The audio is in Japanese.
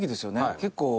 結構。